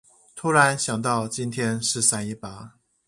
突然想到今天是三一八